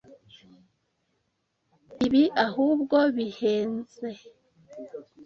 Ibi ahubwo bihenze.